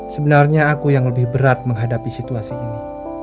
sebenarnya aku yang lebih berat menghadapi situasi ini